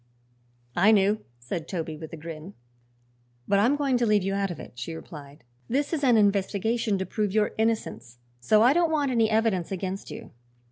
"I knew," said Toby, with a grin. "But I'm going to leave you out of it," she replied. "This is an investigation to prove your innocence, so I don't want any evidence against you."